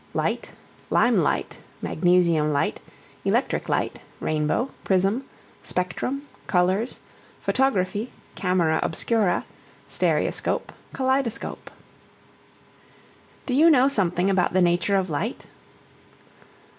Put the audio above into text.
LIGHT, LIME LIGHT, MAGNESIUM LIGHT, ELECTRIC LIGHT, RAINBOW, PRISM, SPECTRUM, COLORS, PHOTOGRAPHY, CAMERA OBSCURA, STEREOSCOPE, KALEIDOSCOPE. Do you know something about the nature of Light?